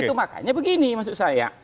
itu makanya begini maksud saya